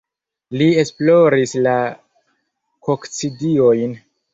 Li esploris la kokcidiojn.